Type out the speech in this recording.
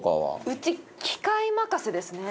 うち機械任せですね。